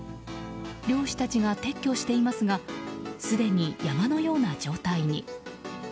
漁師たちが撤去していますがすでに山のような状態に。